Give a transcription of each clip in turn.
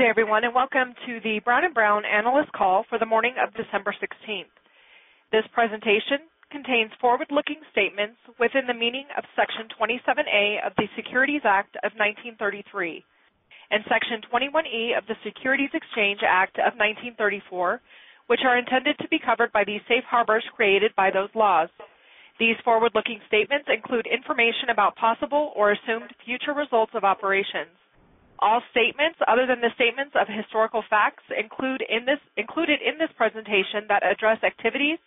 Good day everyone, welcome to the Brown & Brown analyst call for the morning of December 16th. This presentation contains forward-looking statements within the meaning of Section 27A of the Securities Act of 1933, and Section 21E of the Securities Exchange Act of 1934, which are intended to be covered by the safe harbors created by those laws. These forward-looking statements include information about possible or assumed future results of operations. All statements other than the statements of historical facts included in this presentation that address activities,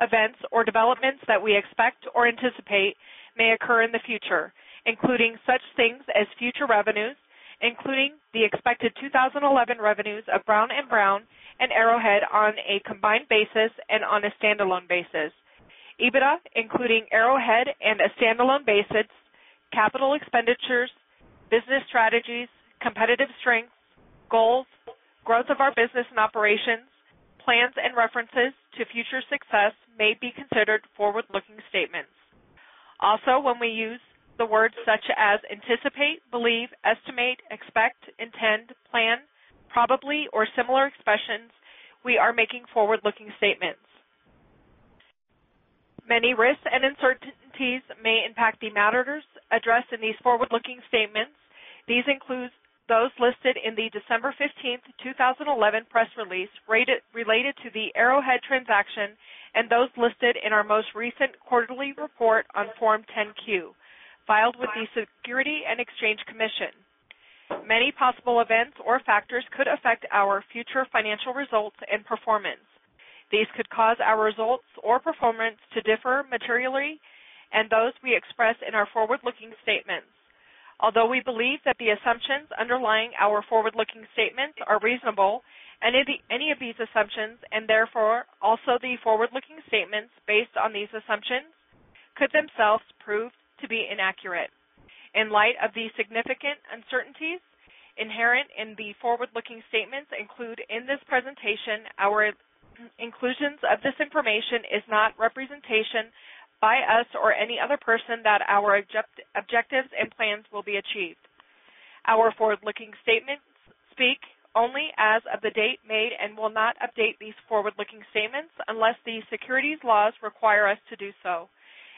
events, or developments that we expect or anticipate may occur in the future, including such things as future revenues, including the expected 2011 revenues of Brown & Brown and Arrowhead on a combined basis and on a standalone basis. EBITDA, including Arrowhead and a standalone basis, capital expenditures, business strategies, competitive strengths, goals, growth of our business and operations, plans and references to future success may be considered forward-looking statements. Also, when we use the words such as anticipate, believe, estimate, expect, intend, plan, probably, or similar expressions, we are making forward-looking statements. Many risks and uncertainties may impact the matters addressed in these forward-looking statements. These include those listed in the December 15th, 2011 press release related to the Arrowhead transaction and those listed in our most recent quarterly report on Form 10-Q, filed with the Securities and Exchange Commission. Many possible events or factors could affect our future financial results and performance. These could cause our results or performance to differ materially, and those we express in our forward-looking statements. Although we believe that the assumptions underlying our forward-looking statements are reasonable, any of these assumptions, and therefore also the forward-looking statements based on these assumptions, could themselves prove to be inaccurate. In light of the significant uncertainties inherent in the forward-looking statements included in this presentation, our inclusions of this information is not representation by us or any other person that our objectives and plans will be achieved. Our forward-looking statements speak only as of the date made and will not update these forward-looking statements unless the securities laws require us to do so.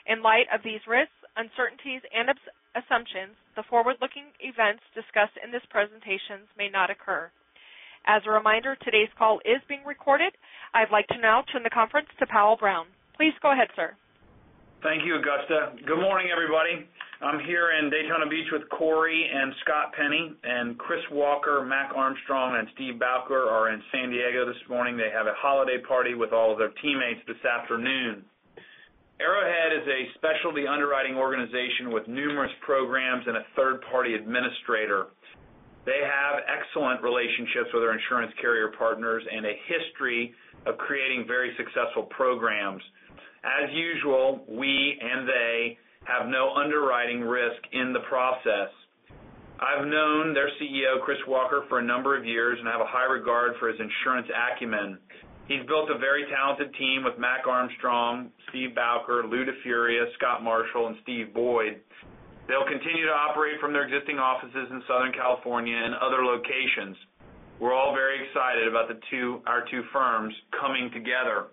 In light of these risks, uncertainties and assumptions, the forward-looking events discussed in this presentation may not occur. As a reminder, today's call is being recorded. I'd like to now turn the conference to Powell Brown. Please go ahead, sir. Thank you, Augusta. Good morning, everybody. I'm here in Daytona Beach with Cory and Scott Penny, and Chris Walker, Mac Armstrong and Steve Bouker are in San Diego this morning. They have a holiday party with all of their teammates this afternoon. Arrowhead is a specialty underwriting organization with numerous programs and a third-party administrator. They have excellent relationships with their insurance carrier partners and a history of creating very successful programs. As usual, we and they have no underwriting risk in the process. I've known their CEO, Chris Walker, for a number of years and have a high regard for his insurance acumen. He's built a very talented team with Mac Armstrong, Steve Bouker, Lou De Furia, Scott Marshall, and Steve Boyd. They'll continue to operate from their existing offices in Southern California and other locations. We're all very excited about our two firms coming together.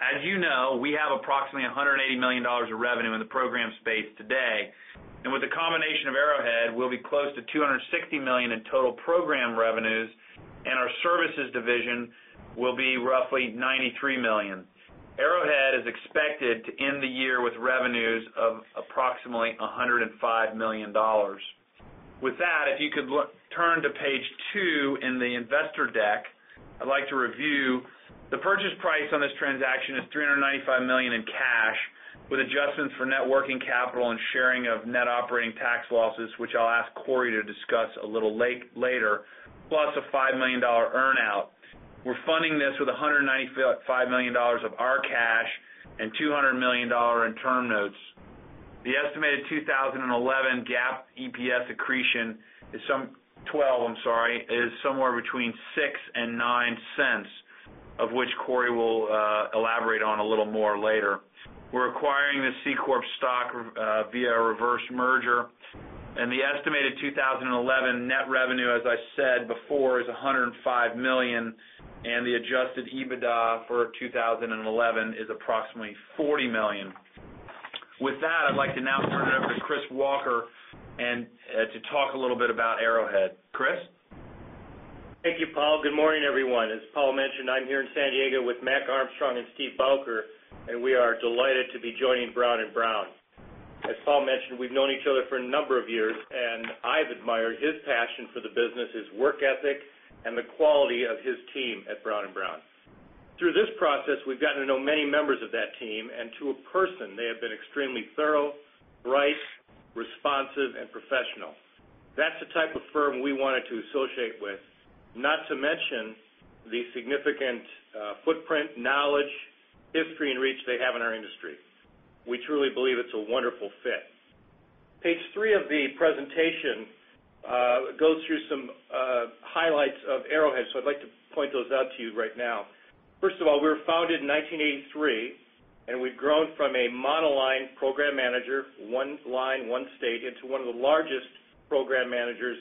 As you know, we have approximately $180 million of revenue in the program space today. With the combination of Arrowhead, we'll be close to $260 million in total program revenues, and our services division will be roughly $93 million. Arrowhead is expected to end the year with revenues of approximately $105 million. With that, if you could turn to page two in the investor deck, I'd like to review. The purchase price on this transaction is $395 million in cash, with adjustments for net working capital and sharing of net operating tax losses, which I'll ask Cory to discuss a little later, plus a $5 million earn-out. We're funding this with $195 million of our cash and $200 million in term notes. The estimated 2012 GAAP EPS accretion is somewhere between $0.06 and $0.09, of which Cory will elaborate on a little more later. We're acquiring the C Corp stock via a reverse merger. The estimated 2011 net revenue, as I said before, is $105 million, and the adjusted EBITDA for 2011 is approximately $40 million. With that, I'd like to now turn it over to Chris Walker to talk a little bit about Arrowhead. Chris? Thank you, Powell. Good morning, everyone. As Powell mentioned, I'm here in San Diego with Mac Armstrong and Steve Bouker. We are delighted to be joining Brown & Brown. As Powell mentioned, we've known each other for a number of years. I've admired his passion for the business, his work ethic, and the quality of his team at Brown & Brown. Through this process, we've gotten to know many members of that team. To a person, they have been extremely thorough, bright, responsive, and professional. That's the type of firm we wanted to associate with. Not to mention the significant footprint, knowledge, history, and reach they have in our industry. We truly believe it's a wonderful fit. Page three of the presentation goes through some highlights of Arrowhead, I'd like to point those out to you right now. First of all, we were founded in 1983. We've grown from a monoline program manager, one line, one state, into one of the largest program managers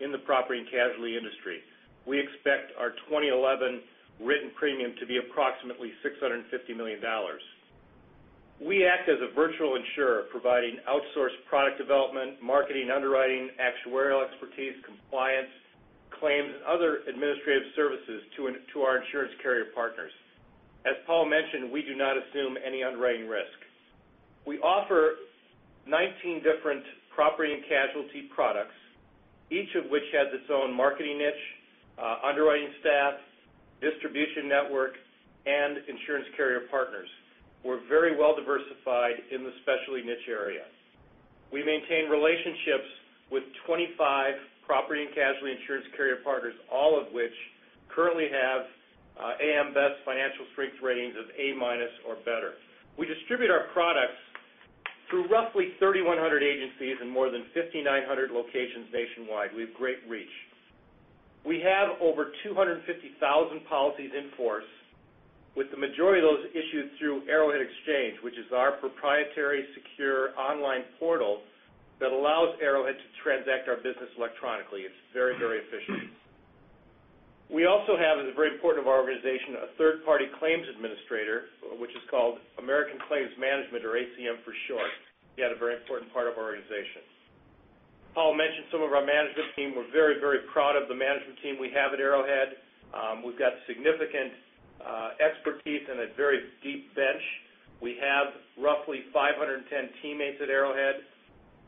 in the property and casualty industry. We expect our 2011 written premium to be approximately $650 million. We act as a virtual insurer, providing outsourced product development, marketing, underwriting, actuarial expertise, compliance, claims, and other administrative services to our insurance carrier partners. As Powell mentioned, we do not assume any underwriting risk. We offer 19 different property and casualty products, each of which has its own marketing niche, underwriting staff, distribution network, and insurance carrier partners. We're very well-diversified in the specialty niche area. We maintain relationships with 25 property and casualty insurance carrier partners, all of which currently have AM Best Financial Strength ratings of A-minus or better. We distribute our products through roughly 3,100 agencies in more than 5,900 locations nationwide. We have great reach. We have over 250,000 policies in force, with the majority of those issued through Arrowhead Exchange, which is our proprietary, secure online portal that allows Arrowhead to transact our business electronically. It is very efficient. We also have, as a very important of our organization, a third-party claims administrator, which is called American Claims Management, or ACM for short, yet a very important part of our organization. Powell mentioned some of our management team. We are very proud of the management team we have at Arrowhead. We have significant expertise and a very deep bench. We have roughly 510 teammates at Arrowhead.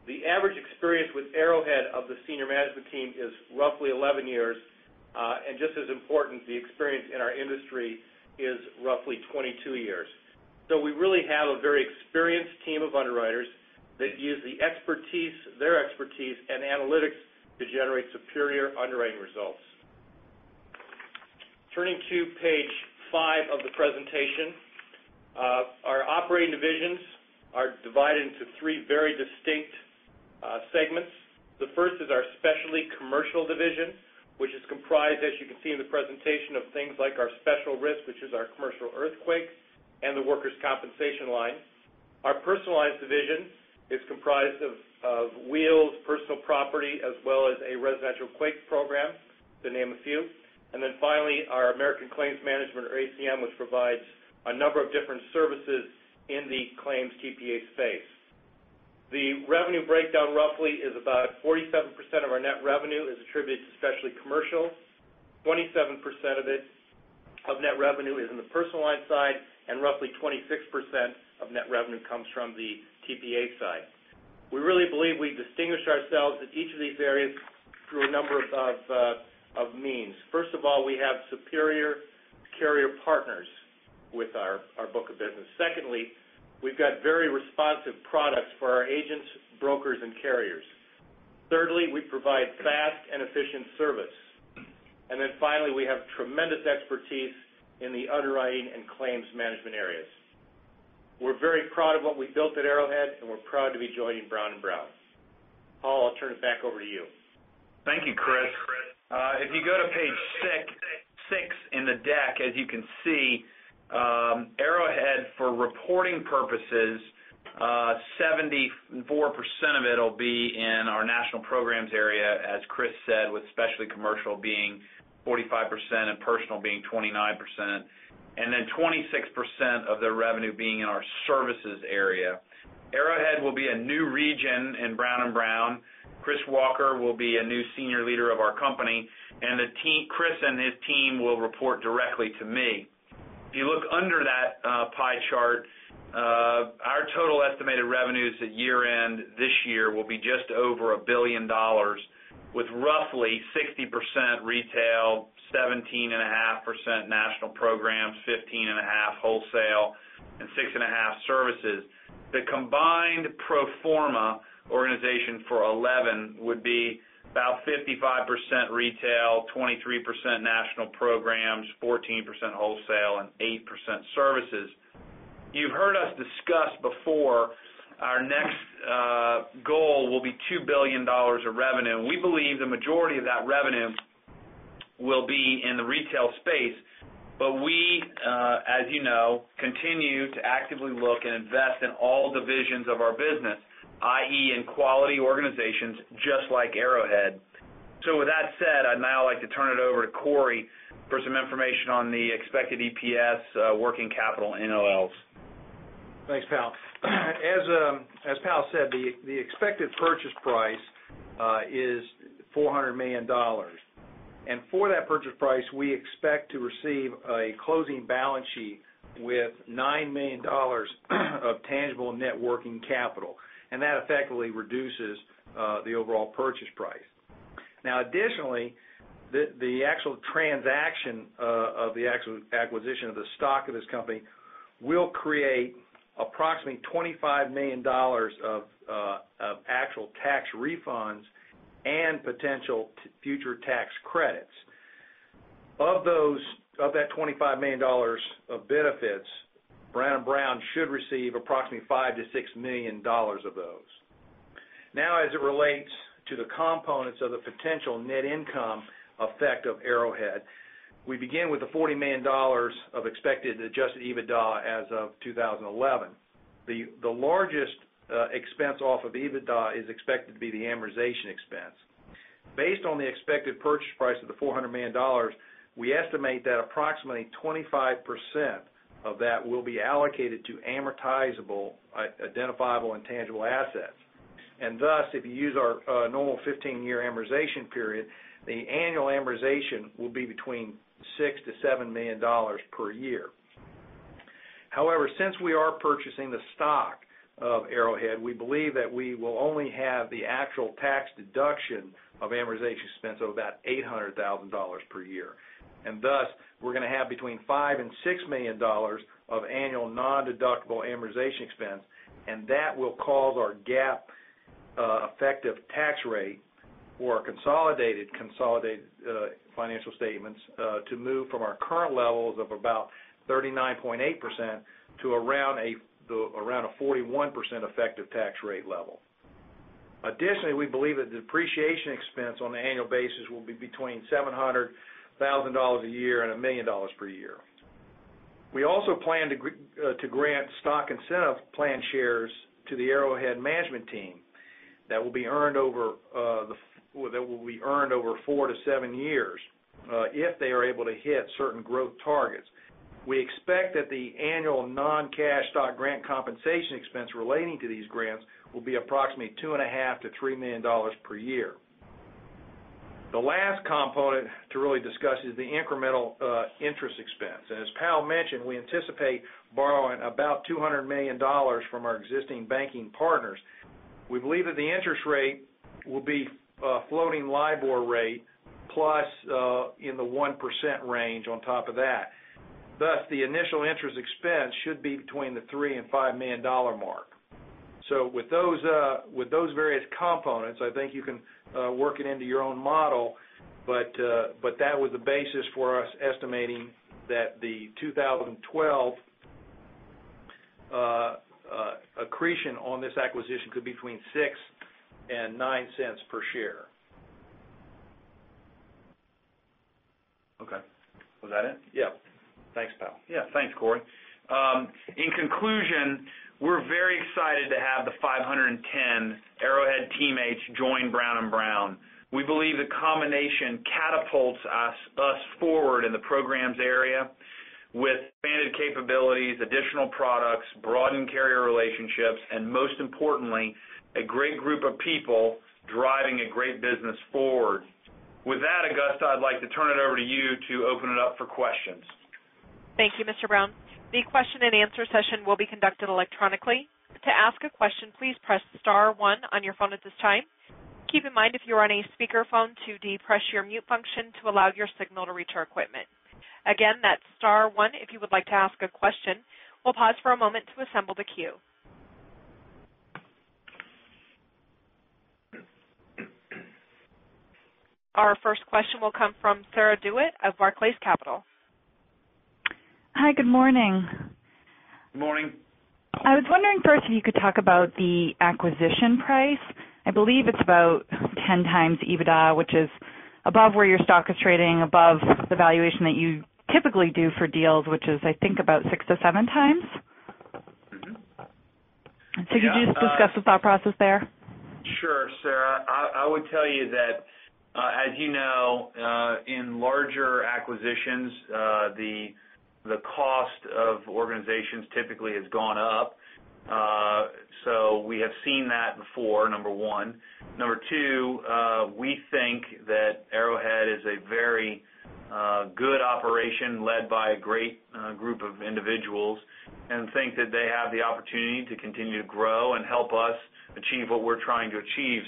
The average experience with Arrowhead of the senior management team is roughly 11 years. Just as important, the experience in our industry is roughly 22 years. We really have a very experienced team of underwriters that use their expertise and analytics to generate superior underwriting results. Turning to page five of the presentation, our operating divisions are divided into three very distinct segments. The first is our specialty commercial division, which is comprised, as you can see in the presentation, of things like our special risk, which is our commercial earthquakes, and the workers' compensation line. Our personal lines division is comprised of wheels, personal property, as well as a residential quake program, to name a few. Finally, our American Claims Management, or ACM, which provides a number of different services in the claims TPA space. The revenue breakdown, roughly, is about 47% of our net revenue is attributed to specialty commercial, 27% of net revenue is in the personal line side, and roughly 26% of net revenue comes from the TPA side. We really believe we distinguish ourselves in each of these areas through a number of means. First of all, we have superior carrier partners with our book of business. Secondly, we have very responsive products for our agents, brokers, and carriers. Thirdly, we provide fast and efficient service. Finally, we have tremendous expertise in the underwriting and claims management areas. We are very proud of what we built at Arrowhead, and we are proud to be joining Brown & Brown. Powell, I will turn it back over to you. Thank you, Chris. If you go to page six in the deck, as you can see, Arrowhead, for reporting purposes, 74% of it will be in our national programs area, as Chris said, with specialty commercial being 45% and personal being 29%. Then 26% of their revenue being in our services area. Arrowhead will be a new region in Brown & Brown. Chris Walker will be a new senior leader of our company, and Chris and his team will report directly to me. If you look under that pie chart, our total estimated revenues at year-end this year will be just over $1 billion, with roughly 60% retail, 17.5% national programs, 15.5% wholesale, and 6.5% services. The combined pro forma organization for 2011 would be about 55% retail, 23% national programs, 14% wholesale, and 8% services. You've heard us discuss before our next goal will be $2 billion of revenue. We believe the majority of that revenue will be in the retail space. We, as you know, continue to actively look and invest in all divisions of our business, i.e., in quality organizations, just like Arrowhead. With that said, I'd now like to turn it over to Cory for some information on the expected EPS working capital NOLs. Thanks, Powell. As Powell said, the expected purchase price is $400 million. For that purchase price, we expect to receive a closing balance sheet with $9 million of tangible net working capital, and that effectively reduces the overall purchase price. Now, additionally, the actual transaction of the acquisition of the stock of this company will create approximately $25 million of actual tax refunds and potential future tax credits. Of that $25 million of benefits, Brown & Brown should receive approximately $5 million to $6 million of those. Now, as it relates to the components of the potential net income effect of Arrowhead, we begin with the $40 million of expected adjusted EBITDA as of 2011. The largest expense off of EBITDA is expected to be the amortization expense. Based on the expected purchase price of the $400 million, we estimate that approximately 25% of that will be allocated to amortizable, identifiable, and tangible assets. Thus, if you use our normal 15-year amortization period, the annual amortization will be between $6 million to $7 million per year. However, since we are purchasing the stock of Arrowhead, we believe that we will only have the actual tax deduction of amortization expense of about $800,000 per year. Thus, we're going to have between $5 million and $6 million of annual non-deductible amortization expense, and that will cause our GAAP effective tax rate for our consolidated financial statements to move from our current levels of about 39.8% to around a 41% effective tax rate level. Additionally, we believe that the depreciation expense on an annual basis will be between $700,000 a year and $1 million per year. We also plan to grant stock incentive plan shares to the Arrowhead management team that will be earned over four to seven years, if they are able to hit certain growth targets. We expect that the annual non-cash stock grant compensation expense relating to these grants will be approximately $2.5 million to $3 million per year. The last component to really discuss is the incremental interest expense. As Powell mentioned, we anticipate borrowing about $200 million from our existing banking partners. We believe that the interest rate will be a floating LIBOR rate, plus in the 1% range on top of that. Thus, the initial interest expense should be between the $3 million and $5 million mark. With those various components, I think you can work it into your own model. That was the basis for us estimating that the 2012 accretion on this acquisition could be between $0.06 and $0.09 per share. Okay. Was that it? Yeah. Thanks, Powell. Yeah, thanks, Cory. In conclusion, we're very excited to have the 510 Arrowhead teammates join Brown & Brown. We believe the combination catapults us forward in the programs area with expanded capabilities, additional products, broadened carrier relationships, and most importantly, a great group of people driving a great business forward. With that, Augusta, I'd like to turn it over to you to open it up for questions. Thank you, Mr. Brown. The question and answer session will be conducted electronically. To ask a question, please press star one on your phone at this time. Keep in mind, if you're on a speaker phone, to depress your mute function to allow your signal to reach our equipment. Again, that's star one if you would like to ask a question. We'll pause for a moment to assemble the queue. Our first question will come from Sarah DeWitt of Barclays Capital. Hi, good morning. Good morning. I was wondering first if you could talk about the acquisition price. I believe it's about 10 times EBITDA, which is above where your stock is trading, above the valuation that you typically do for deals, which is, I think, about six to seven times. Mm-hmm. Yeah. Could you just discuss the thought process there? Sure, Sarah. I would tell you that, as you know, in larger acquisitions, the cost of organizations typically has gone up. We have seen that before, number one. Number two, we think that Arrowhead is a very good operation led by a great group of individuals, and think that they have the opportunity to continue to grow and help us achieve what we're trying to achieve.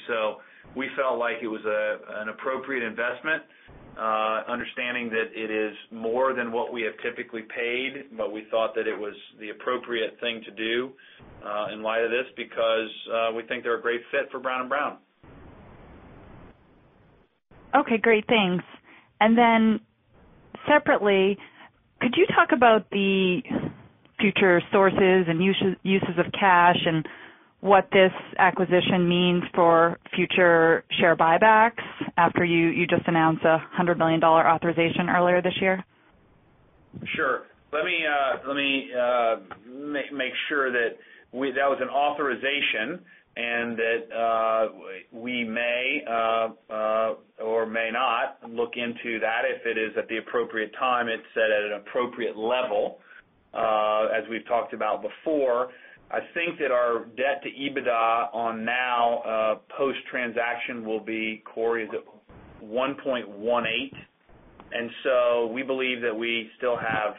We felt like it was an appropriate investment, understanding that it is more than what we have typically paid, but we thought that it was the appropriate thing to do in light of this, because we think they're a great fit for Brown & Brown. Okay, great. Thanks. Separately, could you talk about the future sources and uses of cash and what this acquisition means for future share buybacks after you just announced a $100 million authorization earlier this year? Sure. Let me make sure that that was an authorization, and that we may or may not look into that if it is at the appropriate time and set at an appropriate level. As we've talked about before, I think that our debt to EBITDA on now, post-transaction, will be, Cory, is it 1.18? We believe that we still have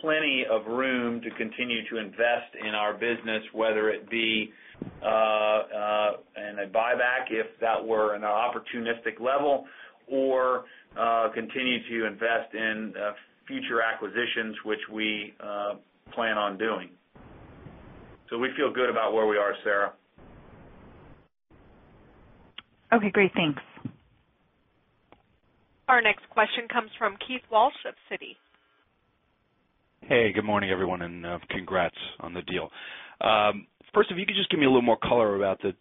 plenty of room to continue to invest in our business, whether it be in a buyback, if that were an opportunistic level, or continue to invest in future acquisitions, which we plan on doing. We feel good about where we are, Sarah. Okay, great. Thanks. Our next question comes from Keith Walsh of Citi. Hey, good morning, everyone, and congrats on the deal. First, if you could just give me a little more color about the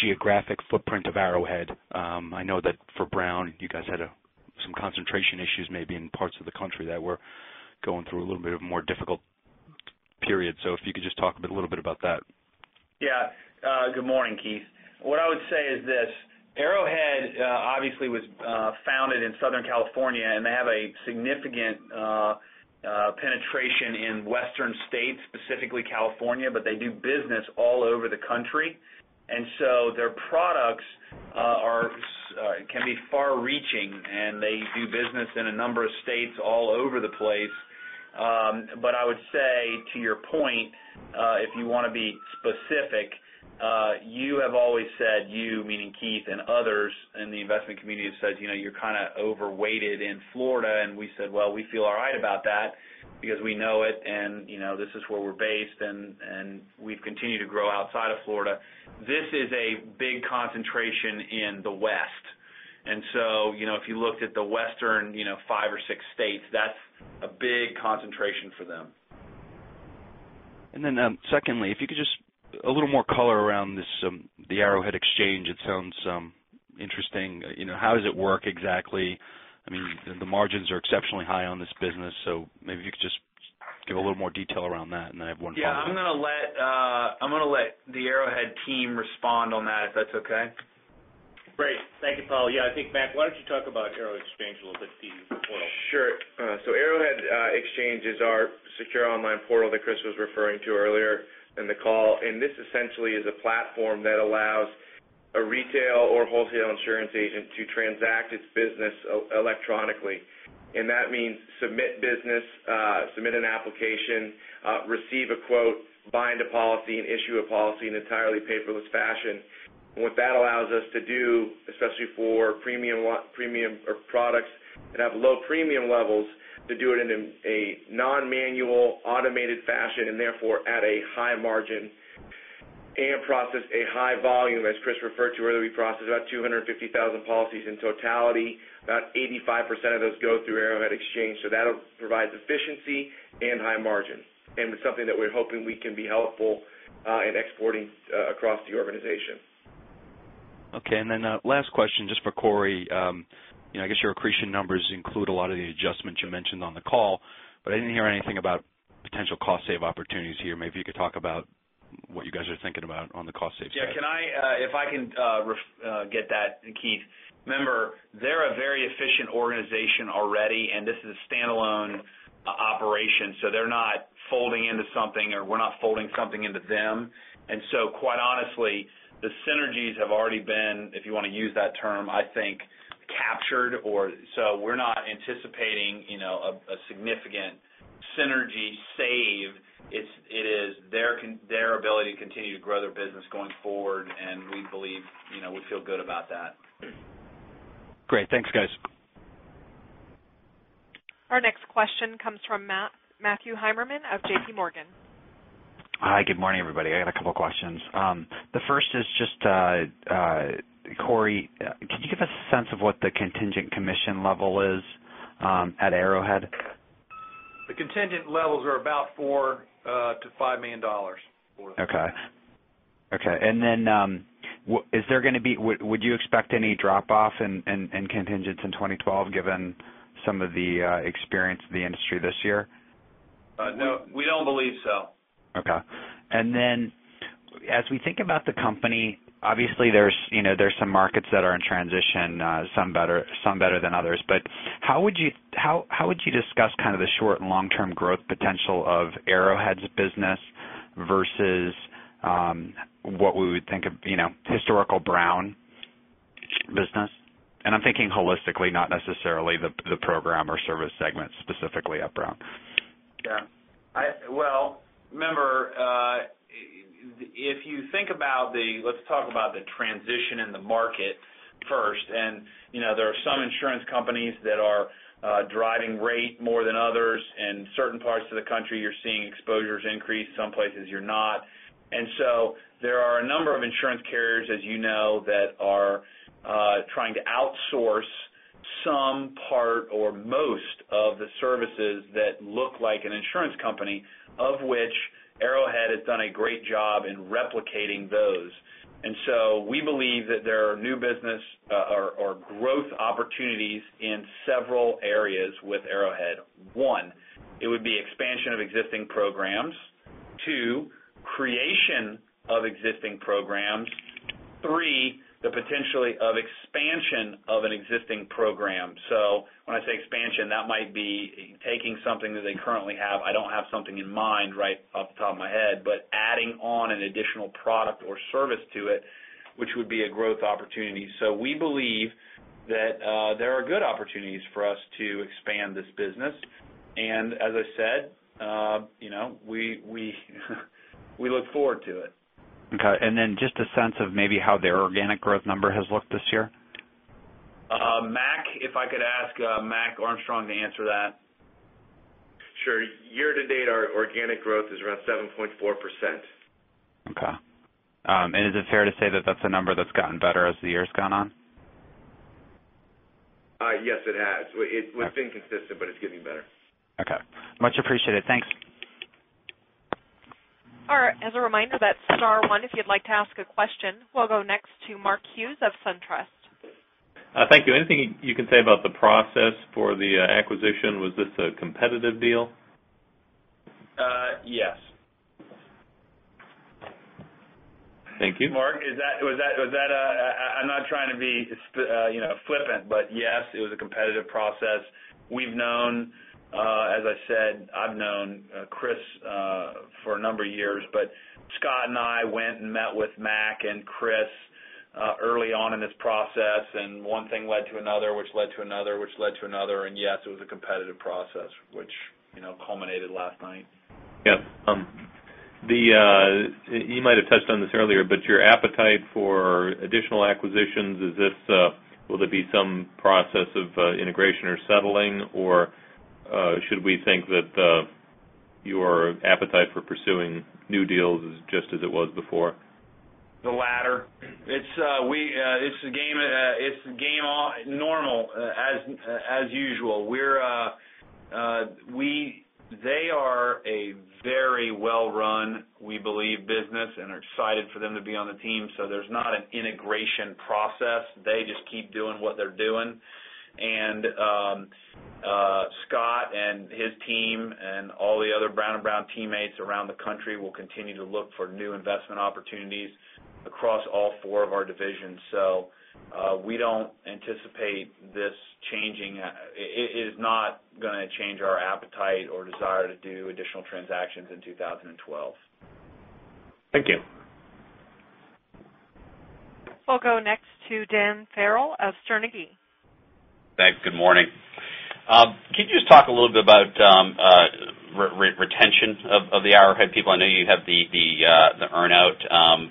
geographic footprint of Arrowhead. I know that for Brown, you guys had some concentration issues, maybe in parts of the country that were going through a little bit of a more difficult period. If you could just talk a little bit about that. Yeah. Good morning, Keith. What I would say is this, Arrowhead obviously was founded in Southern California, and they have a significant penetration in western states, specifically California, but they do business all over the country. Their products can be far-reaching, and they do business in a number of states all over the place. I would say to your point, if you want to be specific, you have always said, you meaning Keith and others in the investment community have said, you're kind of overweighted in Florida. We said, "Well, we feel all right about that because we know it, and this is where we're based, and we've continued to grow outside of Florida." This is a big concentration in the West. If you looked at the Western five or six states, that's a big concentration for them. Secondly, if you could just a little more color around the Arrowhead Exchange. It sounds interesting. How does it work exactly? The margins are exceptionally high on this business, so maybe you could just give a little more detail around that, and then I have one follow-up. Yeah. I'm going to let the Arrowhead team respond on that, if that's okay. Great. Thank you, Powell. Yeah, I think, Mac, why don't you talk about Arrowhead Exchange a little bit to Keith as well? Sure. Arrowhead Exchange is our secure online portal that Chris was referring to earlier in the call, this essentially is a platform that allows a retail or wholesale insurance agent to transact its business electronically. That means submit business, submit an application, receive a quote, bind a policy, and issue a policy in an entirely paperless fashion. What that allows us to do, especially for premium products that have low premium levels, to do it in a non-manual, automated fashion, and therefore, at a high margin, and process a high volume. As Chris referred to earlier, we process about 250,000 policies in totality. About 85% of those go through Arrowhead Exchange. That provides efficiency and high margin, and something that we're hoping we can be helpful in exporting across the organization. Okay. Then last question, just for Cory. I guess your accretion numbers include a lot of the adjustments you mentioned on the call, I didn't hear anything about potential cost save opportunities here. Maybe you could talk about what you guys are thinking about on the cost save side. Yeah. If I can get that, Keith. Remember, they're a very efficient organization already, this is a standalone operation. They're not folding into something, we're not folding something into them. Quite honestly, the synergies have already been, if you want to use that term, I think captured. We're not anticipating a significant synergy save. It is their ability to continue to grow their business going forward, we feel good about that. Great. Thanks, guys. Our next question comes from Matthew Heimerman of JPMorgan. Hi, good morning, everybody. I got a couple questions. The first is just, Cory, can you give us a sense of what the contingent commission level is at Arrowhead? The contingent levels are about $4 million-$5 million. Okay. Would you expect any drop-off in contingents in 2012 given some of the experience of the industry this year? No, we don't believe so. Okay. As we think about the company, obviously there's some markets that are in transition, some better than others. But how would you discuss kind of the short and long-term growth potential of Arrowhead's business versus what we would think of historical Brown business? I'm thinking holistically, not necessarily the program or service segment specifically at Brown. Yeah. Well, remember, let's talk about the transition in the market first. There are some insurance companies that are driving rate more than others. In certain parts of the country, you're seeing exposures increase, some places you're not. There are a number of insurance carriers as you know, that are trying to outsource some part or most of the services that look like an insurance company, of which Arrowhead has done a great job in replicating those. We believe that there are new business or growth opportunities in several areas with Arrowhead. One, it would be expansion of existing programs. Two, creation of existing programs. Three, the potential of expansion of an existing program. When I say expansion, that might be taking something that they currently have. I don't have something in mind right off the top of my head, but adding on an additional product or service to it, which would be a growth opportunity. We believe that there are good opportunities for us to expand this business. As I said, we look forward to it. Okay. Just a sense of maybe how their organic growth number has looked this year. If I could ask Mac Armstrong to answer that. Sure. Year to date, our organic growth is around 7.4%. Is it fair to say that that's a number that's gotten better as the year's gone on? Yes, it has. It's been consistent, it's getting better. Okay. Much appreciated. Thanks. All right. As a reminder, that's star one if you'd like to ask a question. We'll go next to Mark Hughes of SunTrust. Thank you. Anything you can say about the process for the acquisition? Was this a competitive deal? Yes. Thank you. Mark, I'm not trying to be flippant, but yes, it was a competitive process. As I said, I've known Chris for a number of years, but Scott and I went and met with Mac and Chris early on in this process, and one thing led to another, which led to another, which led to another, and yes, it was a competitive process, which culminated last night. Yes. You might have touched on this earlier, but your appetite for additional acquisitions, will there be some process of integration or settling, or should we think that your appetite for pursuing new deals is just as it was before? The latter. It's game normal, as usual. They are a very well-run, we believe, business, and are excited for them to be on the team, so there's not an integration process. They just keep doing what they're doing. Scott and his team and all the other Brown & Brown teammates around the country will continue to look for new investment opportunities across all four of our divisions. We don't anticipate this changing. It is not going to change our appetite or desire to do additional transactions in 2012. Thank you. We'll go next to Dan Farrell of Sterne Agee. Thanks. Good morning. Can you just talk a little bit about retention of the Arrowhead people? I know you have the earn-out,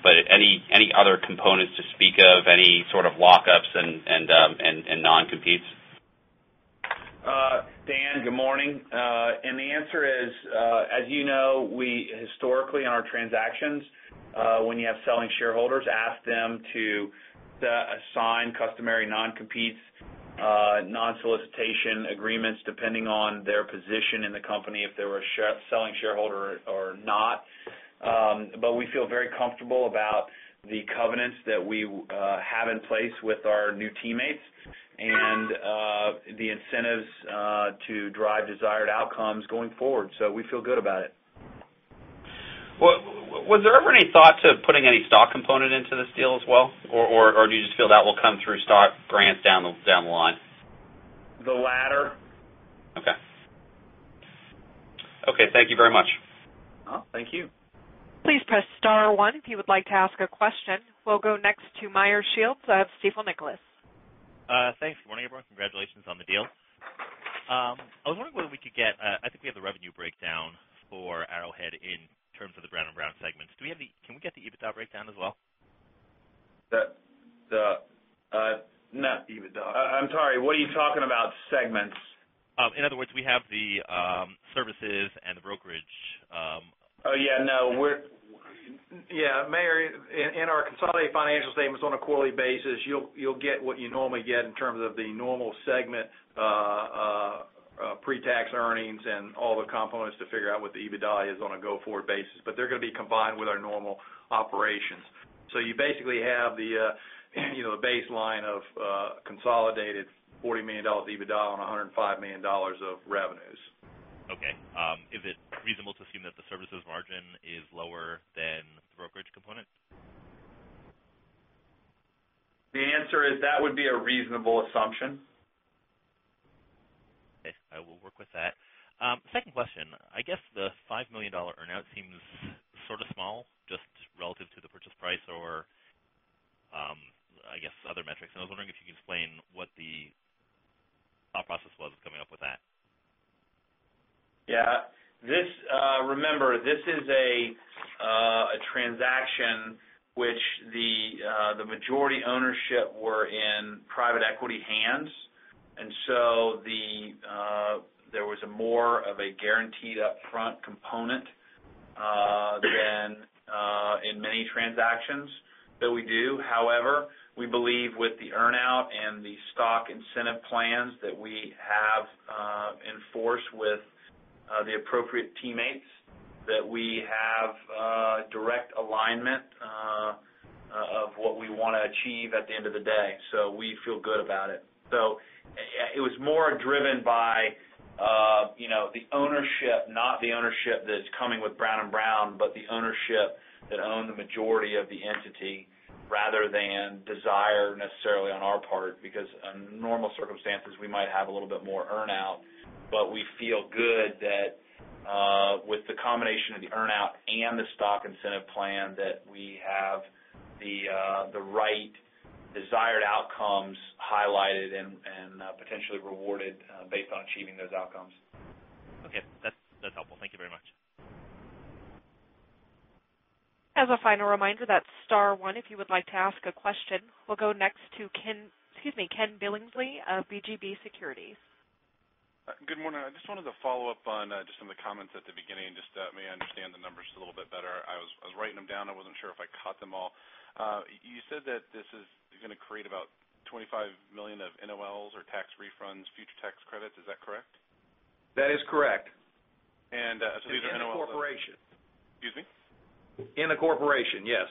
but any other components to speak of, any sort of lockups and non-competes? Dan, good morning. The answer is, as you know, we historically, on our transactions, when you have selling shareholders, ask them to assign customary non-compete, non-solicitation agreements, depending on their position in the company, if they were a selling shareholder or not. We feel very comfortable about the covenants that we have in place with our new teammates and the incentives to drive desired outcomes going forward. We feel good about it. Was there ever any thought to putting any stock component into this deal as well? Do you just feel that will come through stock grants down the line? The latter. Okay. Thank you very much. Thank you. Please press star one if you would like to ask a question. We'll go next to Meyer Shields of Stifel Nicolaus. Thanks. Good morning, everyone. Congratulations on the deal. I was wondering whether we could get, I think we have the revenue breakdown for Arrowhead in terms of the Brown & Brown segments. Can we get the EBITDA breakdown as well? Not EBITDA. I'm sorry, what are you talking about, segments? In other words, we have the services and the brokerage. Yeah, Meyer, in our consolidated financial statements on a quarterly basis, you'll get what you normally get in terms of the normal segment pre-tax earnings and all the components to figure out what the EBITDA is on a go-forward basis. They're going to be combined with our normal operations. You basically have the baseline of a consolidated $40 million EBITDA on $105 million of revenues. Okay. Is it reasonable to assume that the services margin is lower than the brokerage component? The answer is that would be a reasonable assumption. Okay. I will work with that. Second question. I guess the $5 million earn-out seems sort of small, just relative to the purchase price or, I guess, other metrics. I was wondering if you could explain what the thought process was coming up with that. Yeah. Remember, this is a transaction which the majority ownership were in private equity hands, there was more of a guaranteed upfront component than in many transactions that we do. However, we believe with the earn-out and the stock incentive plans that we have in force with the appropriate teammates, that we have direct alignment of what we want to achieve at the end of the day. We feel good about it. It was more driven by the ownership, not the ownership that's coming with Brown & Brown, but the ownership that owned the majority of the entity, rather than desire necessarily on our part. Because under normal circumstances, we might have a little bit more earn-out, but we feel good that with the combination of the earn-out and the stock incentive plan, that we have the right desired outcomes highlighted and potentially rewarded based on achieving those outcomes. Okay. That's helpful. Thank you very much. As a final reminder, that's star one if you would like to ask a question. We'll go next to Ken Billingsley of BGC Securities. Good morning. I just wanted to follow up on just some of the comments at the beginning, just to maybe understand the numbers a little bit better. I was writing them down. I wasn't sure if I caught them all. You said that this is going to create about $25 million of NOLs or tax refunds, future tax credits. Is that correct? That is correct. And so these are- In the corporation. Excuse me? In the corporation, yes.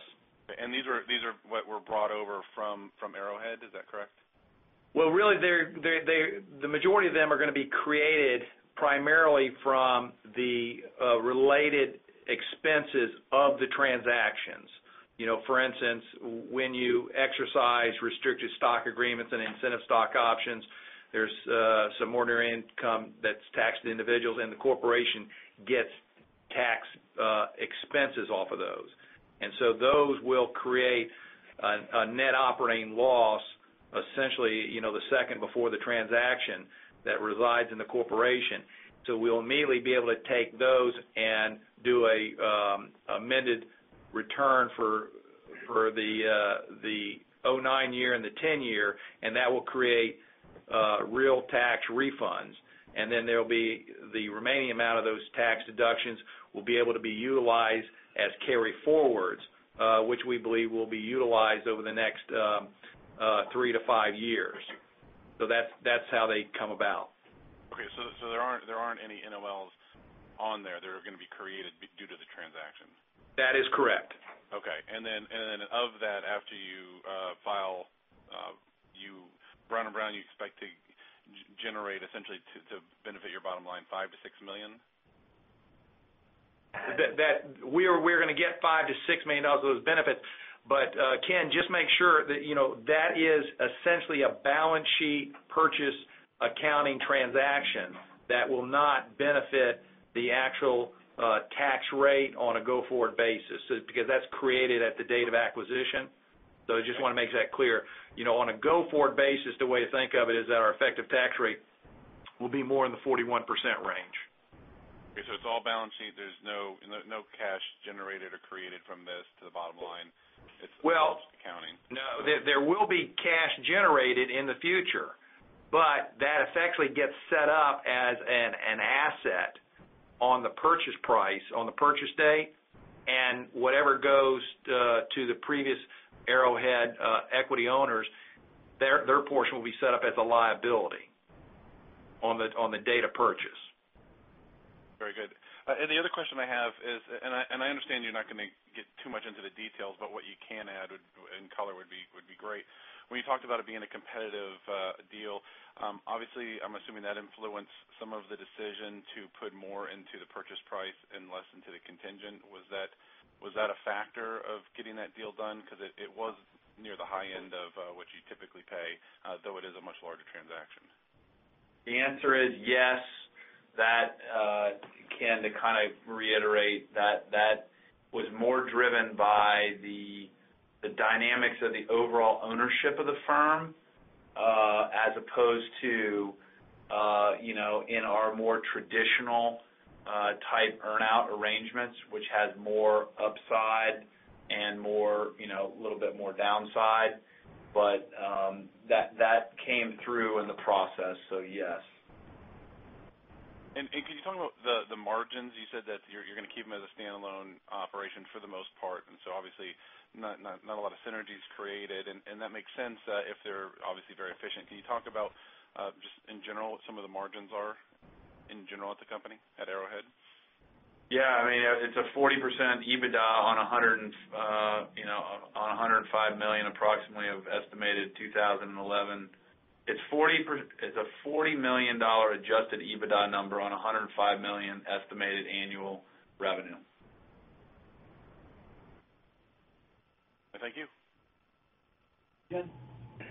These were brought over from Arrowhead. Is that correct? Really, the majority of them are going to be created primarily from the related expenses of the transactions. For instance, when you exercise restricted stock agreements and incentive stock options, there's some ordinary income that's taxed to individuals, and the corporation gets tax expenses off of those. Those will create a net operating loss, essentially, the second before the transaction that resides in the corporation. We'll immediately be able to take those and do an amended return for the 2009 year and the 2010 year, and that will create real tax refunds. The remaining amount of those tax deductions will be able to be utilized as carryforwards, which we believe will be utilized over the next three to five years. I see. That's how they come about. Okay. There aren't any NOLs on there that are going to be created due to the transactions? That is correct. Okay. Of that, after you file, Brown & Brown, you expect to generate, essentially to benefit your bottom line, $5 million-$6 million? We're going to get $5 million-$6 million of those benefits. Ken, just make sure that is essentially a balance sheet purchase accounting transaction that will not benefit the actual tax rate on a go-forward basis because that's created at the date of acquisition. I just want to make that clear. On a go-forward basis, the way to think of it is that our effective tax rate will be more in the 41% range. Okay, it's all balance sheet. There's no cash generated or created from this to the bottom line. Well- accounting. No, there will be cash generated in the future, but that effectively gets set up as an asset on the purchase price on the purchase day. Whatever goes to the previous Arrowhead equity owners, their portion will be set up as a liability on the date of purchase. Very good. The other question I have is, and I understand you're not going to get too much into the details, but what you can add in color would be great. When you talked about it being a competitive deal, obviously I'm assuming that influenced some of the decision to put more into the purchase price and less into the contingent. Was that a factor of getting that deal done? Because it was near the high end of what you typically pay, though it is a much larger transaction. The answer is yes. To reiterate, that was more driven by the dynamics of the overall ownership of the firm as opposed to in our more traditional type earn-out arrangements, which has more upside and a little bit more downside. That came through in the process, so yes. Can you talk about the margins? You said that you're going to keep them as a standalone operation for the most part, and so obviously not a lot of synergies created, and that makes sense if they're obviously very efficient. Can you talk about, just in general, what some of the margins are in general at the company, at Arrowhead? Yeah. It's a 40% EBITDA on $105 million approximately of estimated 2011. It's a $40 million adjusted EBITDA number on $105 million estimated annual revenue. Thank you. Ken.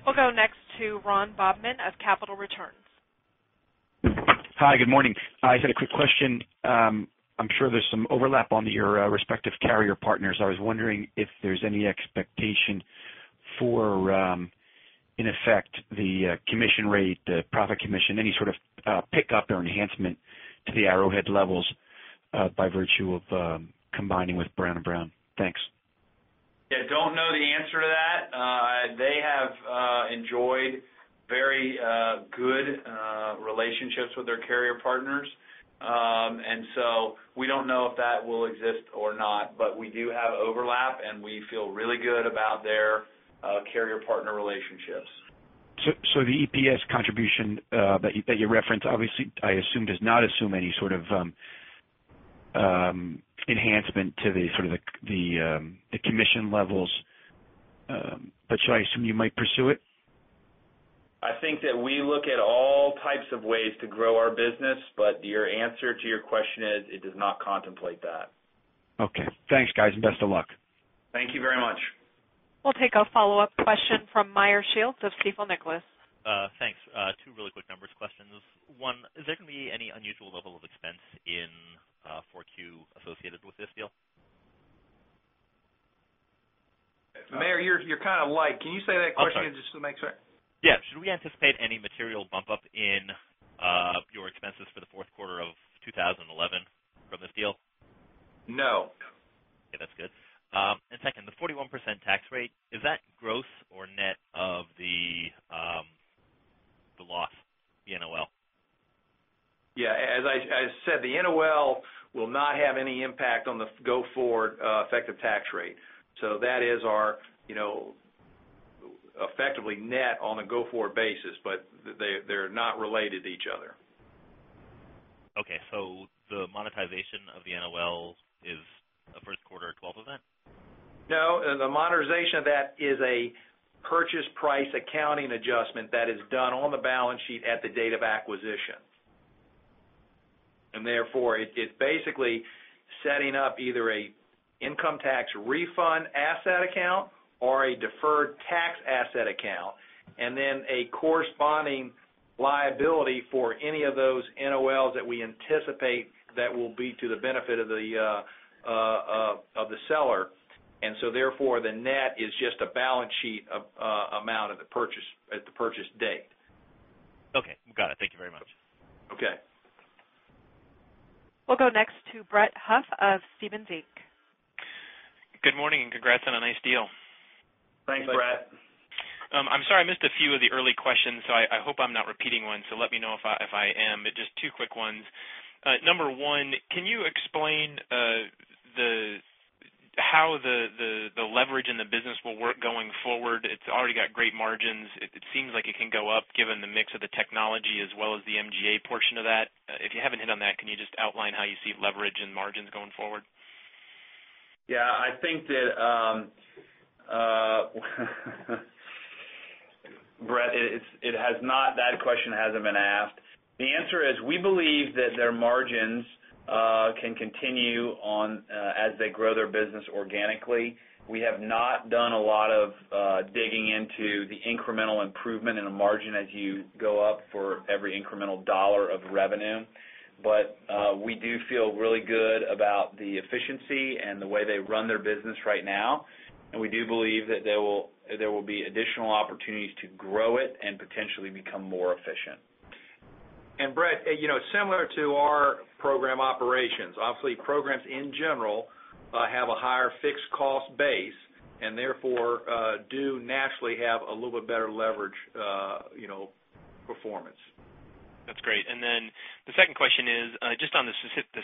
We'll go next to Ron Bobman of Capital Returns. Hi, good morning. I just had a quick question. I'm sure there's some overlap on your respective carrier partners. I was wondering if there's any expectation for, in effect, the commission rate, the profit commission, any sort of pick up or enhancement to the Arrowhead levels by virtue of combining with Brown & Brown. Thanks. Yeah, don't know the answer to that. They have enjoyed very good relationships with their carrier partners. We don't know if that will exist or not. We do have overlap, and we feel really good about their carrier partner relationships. The EPS contribution that you referenced, obviously, I assume, does not assume any sort of enhancement to the commission levels. Should I assume you might pursue it? I think that we look at all types of ways to grow our business, but your answer to your question is it does not contemplate that. Okay. Thanks, guys, and best of luck. Thank you very much. We'll take a follow-up question from Meyer Shields of Stifel Nicolaus. Thanks. Two really quick numbers questions. One, is there going to be any unusual level of expense in 4Q associated with this deal? Meyer, you're kind of light. Can you say that question just to make sure? Yeah. Should we anticipate any material bump up in your expenses for the fourth quarter of 2011 from this deal? No The 41% tax rate, is that gross or net of the loss, the NOL? Yeah. As I said, the NOL will not have any impact on the go-forward effective tax rate. That is our effectively net on a go-forward basis, but they're not related to each other. Okay. The monetization of the NOL is a first quarter 2012 event? No, the monetization of that is a purchase price accounting adjustment that is done on the balance sheet at the date of acquisition. Therefore, it's basically setting up either a income tax refund asset account or a deferred tax asset account, and then a corresponding liability for any of those NOLs that we anticipate that will be to the benefit of the seller. Therefore, the net is just a balance sheet amount at the purchase date. Okay. Got it. Thank you very much. Okay. We'll go next to Brett Huff of Stephens Inc.. Good morning, and congrats on a nice deal. Thanks, Brett. I'm sorry, I missed a few of the early questions, so I hope I'm not repeating one, so let me know if I am. Just two quick ones. Number one, can you explain how the leverage in the business will work going forward? It's already got great margins. It seems like it can go up given the mix of the technology as well as the MGA portion of that. If you haven't hit on that, can you just outline how you see leverage and margins going forward? I think that Brett, that question hasn't been asked. The answer is we believe that their margins can continue on as they grow their business organically. We have not done a lot of digging into the incremental improvement in a margin as you go up for every incremental dollar of revenue. We do feel really good about the efficiency and the way they run their business right now. We do believe that there will be additional opportunities to grow it and potentially become more efficient. Brett, similar to our program operations. Obviously, programs in general have a higher fixed cost base, and therefore do naturally have a little bit better leverage performance. That's great. The second question is just on the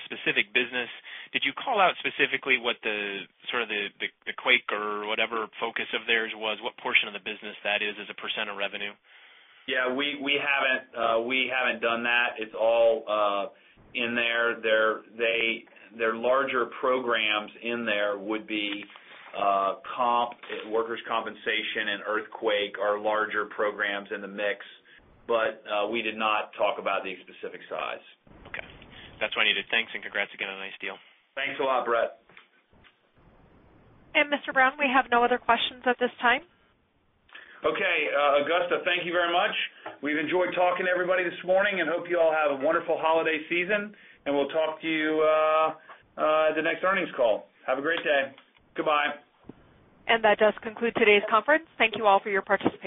specific business. Did you call out specifically what the quake or whatever focus of theirs was? What portion of the business that is as a % of revenue? Yeah, we haven't done that. It's all in there. Their larger programs in there would be comp, workers' compensation, and earthquake are larger programs in the mix. We did not talk about the specific size. Okay. That's what I needed. Thanks and congrats again on a nice deal. Thanks a lot, Brett. Mr. Brown, we have no other questions at this time. Okay. Augusta, thank you very much. We've enjoyed talking to everybody this morning. Hope you all have a wonderful holiday season. We'll talk to you the next earnings call. Have a great day. Goodbye. That does conclude today's conference. Thank you all for your participation.